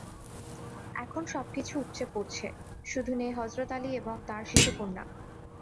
এখন সবকিছু উপচে পড়ছে, শুধু নেই হজরত আলী এবং তাঁর শিশুকন্যা।